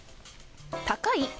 高い？